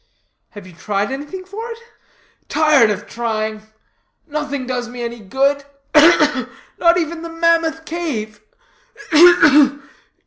"Have you tried anything for it?" "Tired of trying. Nothing does me any good ugh! ugh! Not even the Mammoth Cave.